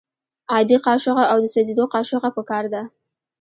عادي قاشوغه او د سوځیدو قاشوغه پکار ده.